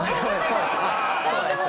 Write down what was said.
そうです。